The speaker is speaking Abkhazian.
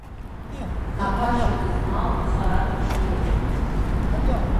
Аԥашьа гызмал хара дыԥшуеит.